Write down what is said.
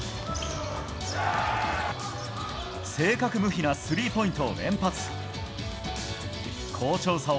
正確無比なスリーポイントを連発。